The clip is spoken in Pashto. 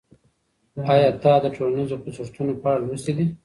آیا تا د ټولنیزو خوځښتونو په اړه لوستي دي؟